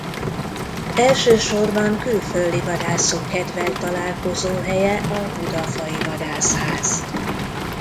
Elsősorban külföldi vadászok kedvelt találkozóhelye a budafai vadászház.